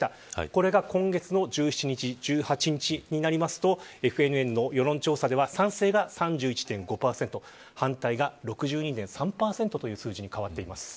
これが、今月の１７日１８日になりますとＦＮＮの世論調査では賛成が３１．５％反対が６２．３％と変わっています。